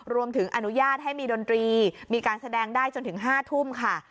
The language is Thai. รวมถึงอนุญาตให้มีดนตรีมีการแสดงได้จนถึง๕ทุ่มค่ะ